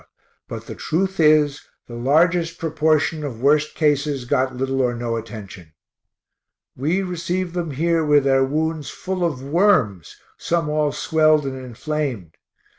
but the truth is, the largest proportion of worst cases got little or no attention. We receive them here with their wounds full of worms some all swelled and inflamed.